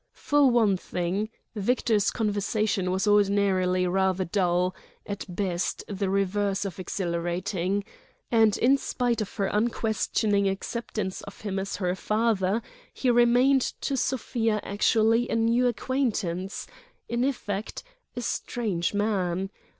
For one thing, Victor's conversation was ordinarily rather dull; at best, the reverse of exhilarating. And in spite of her unquestioning acceptance of him as her father, he remained to Sofia actually a new acquaintance; in effect, a strange man.